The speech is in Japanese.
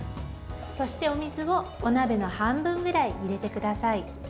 そしてお水をお鍋の半分ぐらい入れてください。